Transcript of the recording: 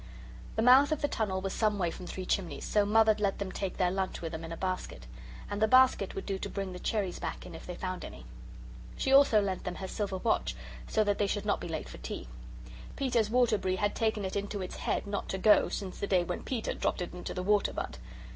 The mouth of the tunnel was some way from Three Chimneys, so Mother let them take their lunch with them in a basket. And the basket would do to bring the cherries back in if they found any. She also lent them her silver watch so that they should not be late for tea. Peter's Waterbury had taken it into its head not to go since the day when Peter dropped it into the water butt.